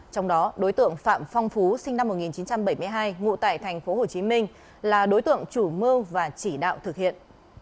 trong đó đối tượng phạm phong phú sinh năm một nghìn chín trăm bảy mươi hai ngụ tại thành phố hồ chí minh là đối tượng chủ mưu và chỉ đạo thực hiện